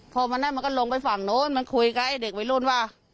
พอวันนั้นมันก็ลงไปฝั่งโน้นมันคุยกับไอ้เด็กวัยรุ่นว่า